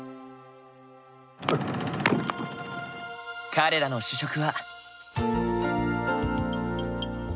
彼らの主食は。